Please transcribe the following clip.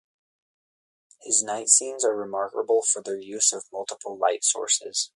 His night scenes are remarkable for their use of multiple light sources.